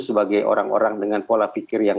sebagai orang orang dengan pola pikir yang